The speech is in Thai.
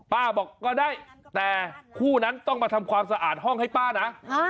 บอกก็ได้แต่คู่นั้นต้องมาทำความสะอาดห้องให้ป้านะ